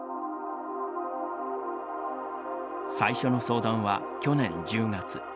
最初の相談は去年１０月。